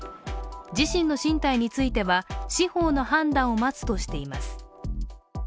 自身の進退については司法の判断を待つとしています。